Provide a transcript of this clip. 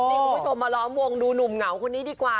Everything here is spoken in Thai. นี่คุณผู้ชมมาล้อมวงดูหนุ่มเหงาคนนี้ดีกว่า